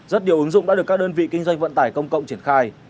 rất nhiều ứng dụng đã được các đơn vị kinh doanh vận tải công cộng triển khai